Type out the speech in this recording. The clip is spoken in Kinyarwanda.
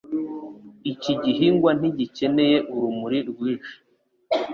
Iki gihingwa ntigikeneye urumuri rwinshi.